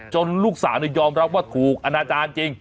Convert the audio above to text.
ลูกสาวยอมรับว่าถูกอนาจารย์จริง